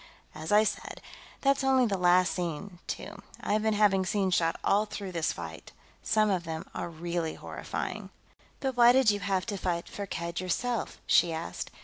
As I said, that's only the last scene, too. I've been having scenes shot all through this fight; some of them are really horrifying." "But why did you have to fight Firkked yourself?" she asked.